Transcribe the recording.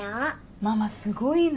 ママすごいね。